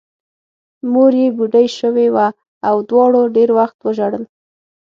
مور یې بوډۍ شوې وه او دواړو ډېر وخت وژړل